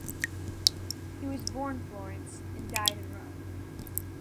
He was born Florence, and died in Rome.